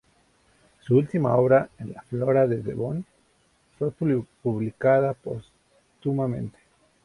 Su última obra, en la "Flora de Devon", fue publicada póstumamente.